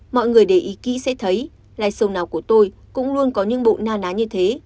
mọi người để ý kĩ sẽ thấy live show nào của tôi cũng luôn có những bộ na ná như thế